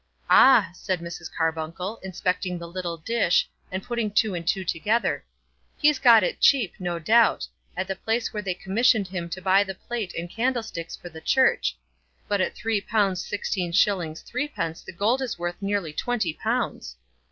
"Ah," said Mrs. Carbuncle, inspecting the little dish, and putting two and two together; "he's got it cheap, no doubt, at the place where they commissioned him to buy the plate and candlesticks for the church; but at £3 16s. 3d. the gold is worth nearly twenty pounds."